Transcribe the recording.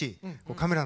カメラ。